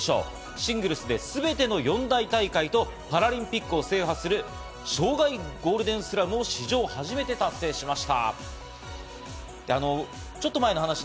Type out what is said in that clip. シングルスで全ての四大大会とパラリンピックを制覇する、生涯ゴールデンスラムを史上初めて達成しました。